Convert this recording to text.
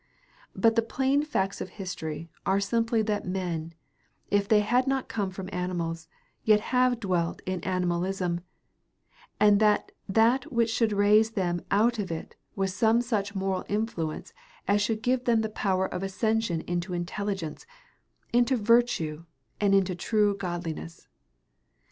But the plain facts of history are simply that men, if they have not come from animals, have yet dwelt in animalism, and that that which should raise them out of it was some such moral influence as should give them the power of ascension into intelligence, into virtue, and into true godliness.